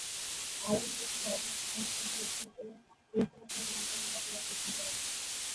Irwin এসব রাজনৈতিক সমস্যা ধৈর্য্য ও কৌশলের সঙ্গে মোকাবিলা করার চেষ্টা করেন।